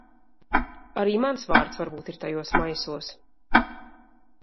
Arī mans vārds varbūt ir tajos maisos.